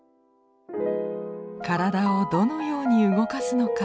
体をどのように動かすのか